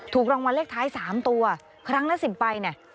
ถูกรางวัลเลขท้าย๓ตัวครั้งละ๑๐ใบเนี่ย